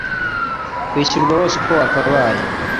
kwishyurwa wose uko wakabaye